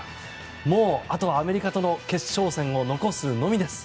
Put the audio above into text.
もう、あとはアメリカとの決勝戦を残すのみです。